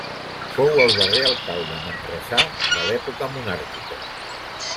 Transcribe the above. Fou el darrer alcalde manresà de l'època monàrquica.